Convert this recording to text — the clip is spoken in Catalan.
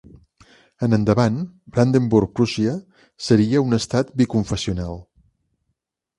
En endavant, Brandenburg-Prússia seria un estat biconfessional.